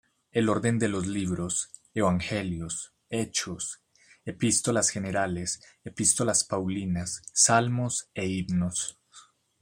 El orden de los libros: Evangelios, Hechos, epístolas generales, epístolas paulinas, Salmos, e himnos.